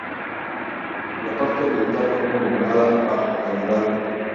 La parte oriental fue nombrada Bajo Canadá.